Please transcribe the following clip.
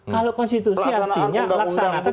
kalau konstitusi artinya laksanakan